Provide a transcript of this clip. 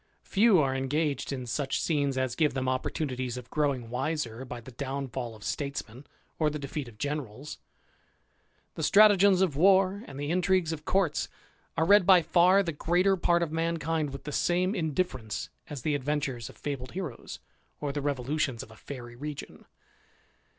Few are engaged in such scenes as give them opportunities of growing wiser by the downfall of statesmen or the defeat of generals. The stratagems of war, and the intrigues of courts, are read by far the greater part of ttiankind with the same indifference as the adventures of fe.bled heroes, or the revolutions of a fairy region.